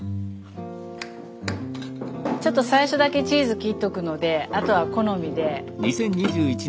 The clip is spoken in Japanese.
ちょっと最初だけチーズ切っとくのであとは好みで。